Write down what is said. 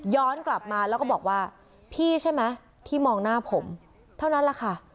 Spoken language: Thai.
กลับมาแล้วก็บอกว่าพี่ใช่ไหมที่มองหน้าผมเท่านั้นแหละค่ะ